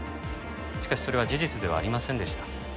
しかしそれは事実ではありませんでした。